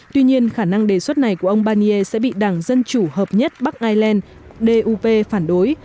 tuy nhiên khả năng đề xuất này của ông barnier sẽ bị đảng dân chủ hợp nhất bắc ireland doub phản đối